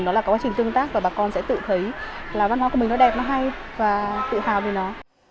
đó là quá trình tương tác và bà con sẽ tự thấy là văn hóa của mình nó đẹp nó hay và tự hào về nó